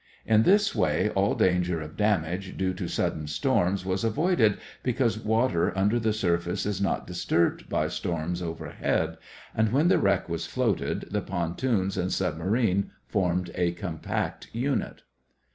In this way all danger of damage due to sudden storms was avoided because water under the surface is not disturbed by storms overhead; and when the wreck was floated, the pontoons and submarine formed a compact unit.